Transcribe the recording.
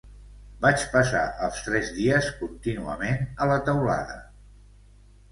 Vaig passar els tres dies contínuament a la teulada